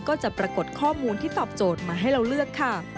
ก็จะปรากฏข้อมูลที่ตอบโจทย์มาให้เราเลือกค่ะ